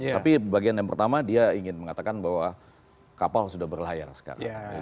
tapi bagian yang pertama dia ingin mengatakan bahwa kapal sudah berlayar sekarang